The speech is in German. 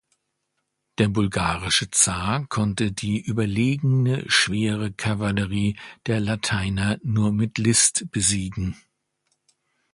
Der bulgarische Zar konnte die überlegene schwere Kavallerie der Lateiner nur mit List besiegen.